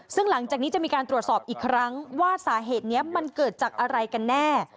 ซึ่งหลังจากนี้จะมีการตรวจสอบอีกครั้งว่าสาเหตุนี้มันเกิดจากอะไรกันแน่